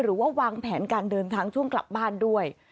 หรือว่าวางแผนการเดินทางช่วงกลับบ้านด้วย